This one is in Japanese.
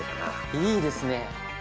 いいですね！